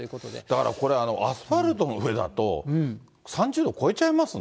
だからこれ、アスファルトの上だと３０度超えちゃいますね。